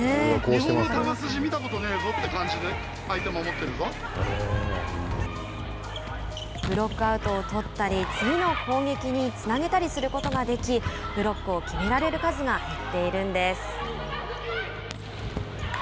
日本の球筋見たことねえぞという感じでブロックアウトをとったり次の攻撃につなげたりすることができブロックを決められる数が減っているんです。